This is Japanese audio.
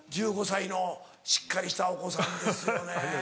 １５歳のしっかりしたお子さんですよね。